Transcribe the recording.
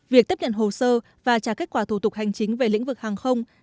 việc tiếp nhận hồ sơ và trả kết quả thủ tục hành chính về lĩnh vực hàng không